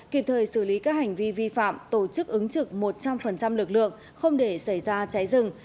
kịp thời xử lý các hành vi vi phạm tổ chức ứng trực một trăm linh lực lượng không để xảy ra cháy rừng